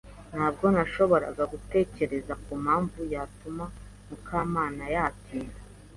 Ntabwo nashoboraga gutekereza kumpamvu yatuma Mukamana yatinda.